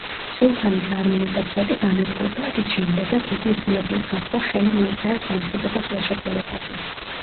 სულთანის არმია და ფლოტი განადგურდა, რის შემდეგაც იგი იძულებული გახდა ხელი მოეწერა სამშვიდობო ხელშეკრულებაზე.